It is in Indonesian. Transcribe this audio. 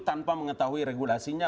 tanpa mengetahui regulasinya